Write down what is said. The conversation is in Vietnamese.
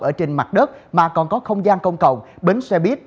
ở trên mặt đất mà còn có không gian công cộng bến xe buýt